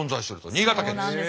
新潟県です。